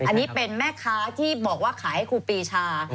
อันนี้เป็นแม่ค้าที่บอกว่าขายให้ครูปีชา